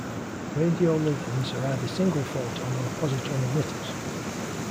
Radioligands are either single photon or positron emitters.